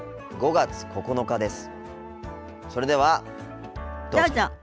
５月９日です。